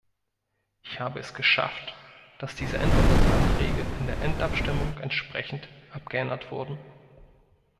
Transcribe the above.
Ich habe es geschafft, dass diese Änderungsanträge in der Endabstimmung entsprechend abgeändert wurden.